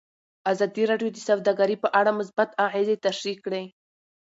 ازادي راډیو د سوداګري په اړه مثبت اغېزې تشریح کړي.